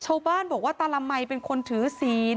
ชาวบ้านบอกว่าตาละมัยเป็นคนถือศีล